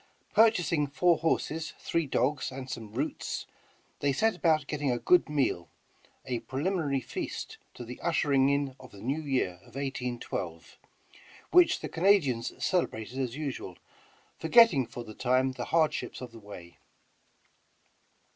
Purchasing four horses, three dogs and some roots, they set about getting a good meal, a preliminary feast to the ushering in of the New Year of 1812, which the Canadians celebrated as usual, forgetting for the time the hardships of the way.